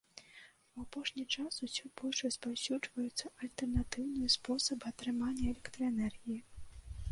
У апошні час усё больш распаўсюджваюцца альтэрнатыўныя спосабы атрымання электраэнергіі.